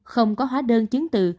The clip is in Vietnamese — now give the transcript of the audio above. không có hóa đơn chiến tự